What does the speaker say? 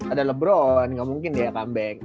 ada lebron nggak mungkin dia comeback